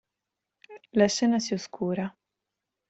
La scena si oscura.